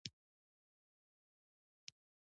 انګلیسي د کار پیدا کولو وسیله ده